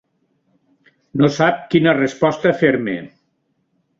No sap quina resposta fer-me.